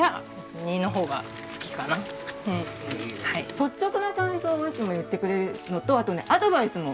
率直な感想をいつも言ってくれるのとあとねアドバイスも。